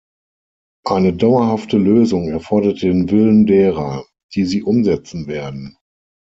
Eine dauerhafte Lösung erfordert den Willen derer, die sie umsetzen werden.